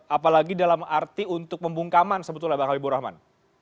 apalagi dalam arti untuk pembungkaman sebetulnya bang habibur rahman